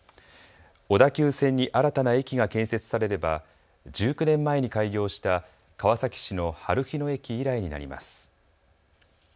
小田急線に新たな駅が建設されれば１９年前に開業した川崎市のはるひ野駅以来になります。